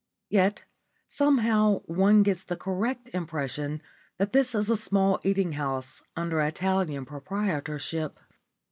Yet somehow one gets the correct impression that this is a small eating house under Italian proprietorship.